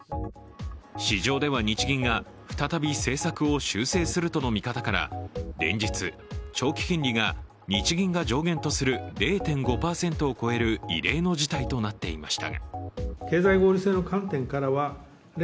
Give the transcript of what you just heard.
市場では日銀が再び政策を修正するとの見方から連日、長期金利が日銀が上限とする０．５％を超える異例の事態となっていました。